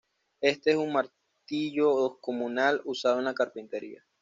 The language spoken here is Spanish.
Este es un martillo descomunal usado en la carpintería.